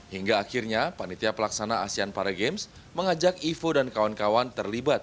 hingga akhirnya panitia pelaksana asean para games mengajak ivo dan kawan kawan terlibat